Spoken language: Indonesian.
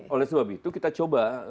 oleh sebab itu kita coba